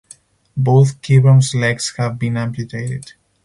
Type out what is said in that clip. Both Kibrom’s legs have been amputated.